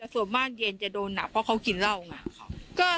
ส่วนมากเย็นจะโดนหนักเพราะเขากินเหล้าไง